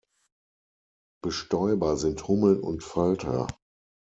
Bestäuber sind Hummeln und Falter.